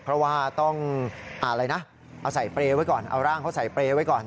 เพราะว่าต้องเอาอะไรนะเอาร่างเขาใส่เปรย์ไว้ก่อน